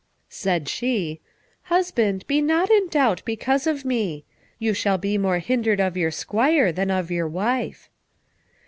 Said she, "Husband, be not in doubt because of me. You shall be more hindered of your squire than of your wife."